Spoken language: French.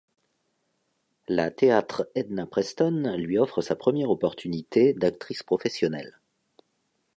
La Théâtre Edna Preston lui offre sa première opportunité d'actrice professionnelle.